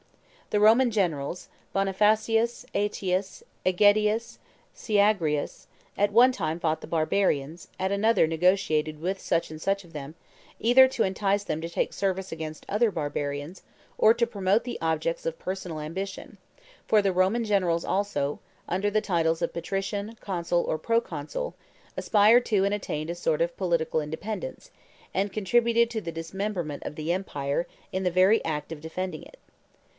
The Roman generals, Bonifacius, Aetius, AEgidius, Syagrius, at one time fought the barbarians, at another negotiated with such and such of them, either to entice them to take service against other barbarians, or to promote the objects of personal ambition, for the Roman generals also, under the titles of patrician, consul, or proconsul, aspired to and attained a sort of political independence, and contributed to the dismemberment of the empire in the very act of defending it.